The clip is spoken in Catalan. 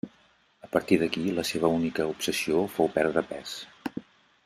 A partir d'aquí la seva única obsessió fou perdre pes.